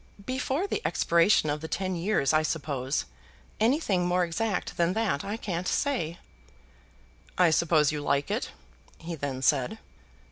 "Before the expiration of the ten years, I suppose. Anything more exact than that I can't say." "I suppose you like it?" he then said.